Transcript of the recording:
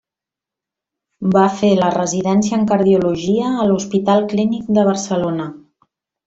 Va fer la residència en Cardiologia a l'Hospital Clínic de Barcelona.